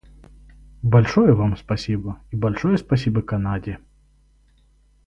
Большое Вам спасибо и большое спасибо Канаде.